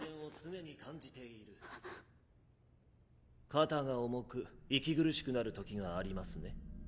肩が重く息苦しくなるときがありますね